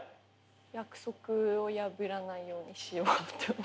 約束を破らないようにしようって思って。